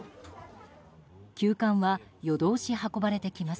急患は夜通し運ばれてきます。